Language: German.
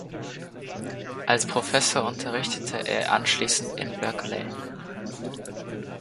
Als Professor unterrichtete er anschließend in Berkeley.